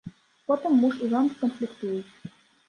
Потым муж і жонка канфліктуюць.